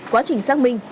quá trình xác minh